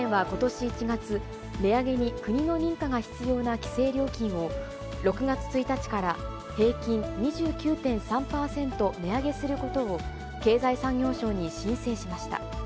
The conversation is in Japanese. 東電はことし１月、値上げに国の認可が必要な規制料金を、６月１日から平均２９．３％値上げすることを、経済産業省に申請しました。